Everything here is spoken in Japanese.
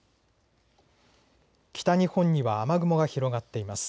北日本には雨雲が広がっています。